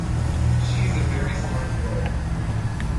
She's a very smart girl.